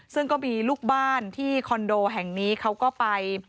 ซึ่งก็มีลูกบ้านที่คอนโดแห่งนี้เขาก็ไป